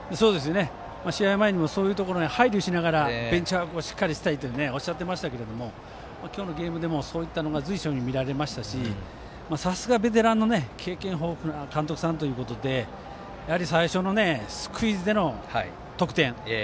試合前にもそういうところに配慮しながらベンチワークをしっかりしたいとおっしゃってましたけど今日のゲームでもそういったのが随所に見られましたしさすがベテランの経験豊富な監督さんということでやはり最初のスクイズでの得点。